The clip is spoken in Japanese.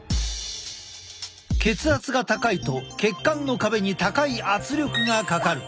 血圧が高いと血管の壁に高い圧力がかかる。